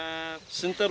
慎太郎